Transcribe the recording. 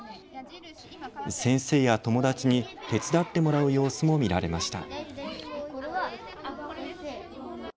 先生や友達に手伝ってもらう様子も見られました。